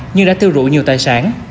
nhưng đã thư rụi nhiều tài sản